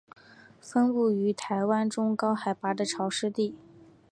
分布于台湾中高海拔的潮湿地。